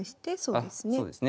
あそうですね。